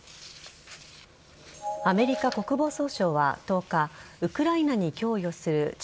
アメリカ国防総省は１０日ウクライナに供与する地